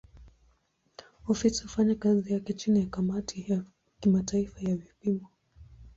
Ofisi hufanya kazi yake chini ya kamati ya kimataifa ya vipimo.